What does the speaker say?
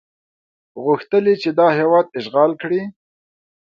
غوښتل یې چې دا هېواد اشغال کړي.